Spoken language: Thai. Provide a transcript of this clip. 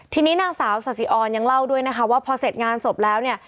ทีนี้นางสาวสาธิออนยังเล่าด้วยนะคะว่าพอเสร็จงานศพแล้วเนี่ย